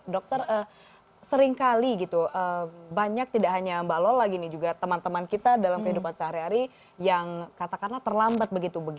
dokter seringkali gitu banyak tidak hanya mbak lola gini juga teman teman kita dalam kehidupan sehari hari yang katakanlah terlambat begitu